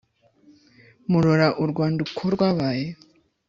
Murora u Rwanda uko rwabaye